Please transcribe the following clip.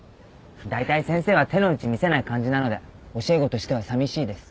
だいたい先生は手の内見せない感じなので教え子としてはさみしいです。